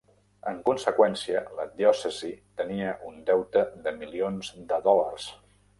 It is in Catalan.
En conseqüència, la diòcesi tenia un deute de milions de dòlars.